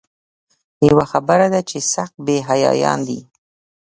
یوه خبره ده چې سخت بې حیایان دي.